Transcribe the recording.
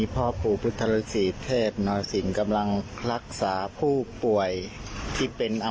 พ่อปู่ฤาษีเทพนรสิงค่ะมีเฮ็ดโฟนเหมือนเฮ็ดโฟน